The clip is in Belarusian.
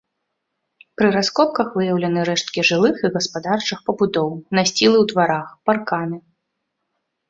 Пры раскопках выяўлены рэшткі жылых і гаспадарчых пабудоў, насцілы ў дварах, парканы.